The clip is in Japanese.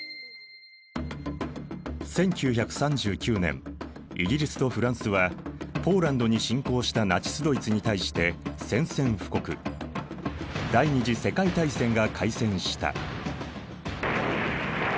１９３９年イギリスとフランスはポーランドに侵攻したナチスドイツに対して宣戦布告第二次世界大戦が開戦した。